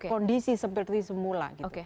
kondisi seperti semula